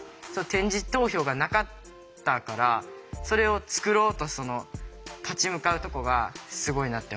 点字投票がなかったからそれを作ろうと立ち向かうとこがすごいなって思うし